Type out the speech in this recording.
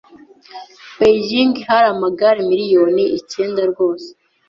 I Beijing hari amagare miliyoni icyenda rwose